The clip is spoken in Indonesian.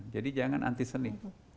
jadi jangan anti seni